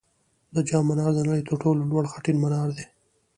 د جام منار د نړۍ تر ټولو لوړ خټین منار دی